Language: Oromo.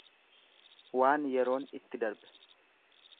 Waan yeroon itti darbe.